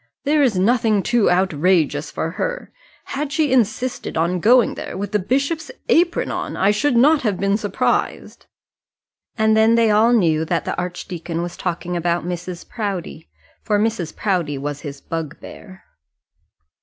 There is nothing too outrageous for her. Had she insisted on going there with the bishop's apron on, I should not have been surprised." And then they all knew that the archdeacon was talking about Mrs. Proudie, for Mrs. Proudie was his bugbear.